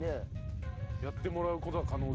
やってもらう事は可能ですか？